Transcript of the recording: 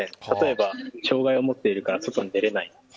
例えば障害を持っているから外に出れない。